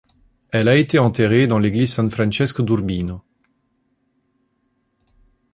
Elle a été enterrée dans l'église San Francesco d'Urbino.